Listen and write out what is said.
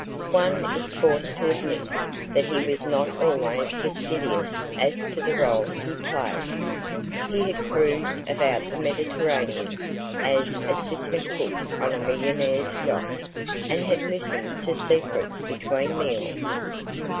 One is forced to admit that he was not always fastidious as to the rôle he played. He had cruised about the Mediterranean as assistant cook on a millionaire's yacht, and had listened to secrets between meals.